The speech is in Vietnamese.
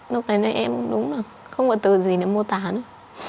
lúc này là em đúng là không có từ gì để mô tả nữa